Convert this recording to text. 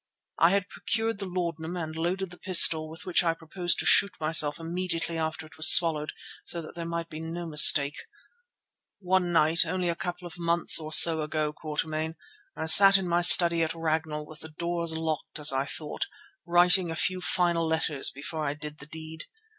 I had procured the laudanum and loaded the pistol with which I proposed to shoot myself immediately after it was swallowed so that there might be no mistake. One night only a couple of months or so ago, Quatermain, I sat in my study at Ragnall, with the doors locked as I thought, writing a few final letters before I did the deed.